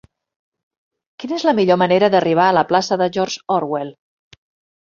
Quina és la millor manera d'arribar a la plaça de George Orwell?